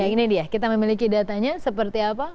ya ini dia kita memiliki datanya seperti apa